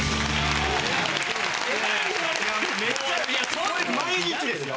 これ毎日ですよ。